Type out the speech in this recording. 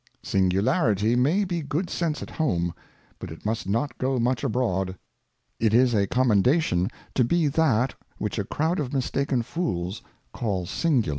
Singula SINGULARITY maybe good Sense at home, but it must *■ not go much abroad. It is a Commendation to be that which a crowd of mistaken Fools call Singular.